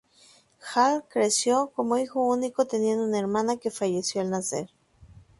Hall creció como hijo único, teniendo una hermana que falleció al nacer.